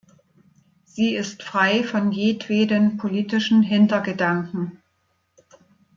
Sie ist frei von jedweden politischen Hintergedanken.